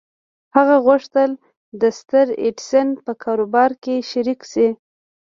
هغه غوښتل د ستر ايډېسن په کاروبار کې شريک شي.